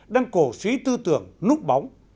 đang cổ suý tư tưởng núp bóng